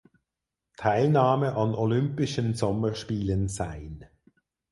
Teilnahme an Olympischen Sommerspielen sein.